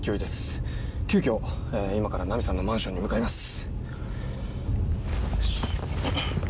急きょ今からナミさんのマンションに向かいます。